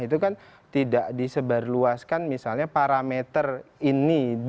itu kan tidak disebarluaskan misalnya parameter ini